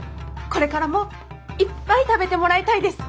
これからもいっぱい食べてもらいたいです。